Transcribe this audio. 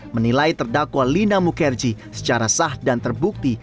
menilai terdakwa lina mukerji secara sah dan terbukti